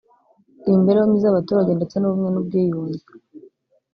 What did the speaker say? imibereho myiza y’abaturage ndetse n’ubumwe n’ubwiyunge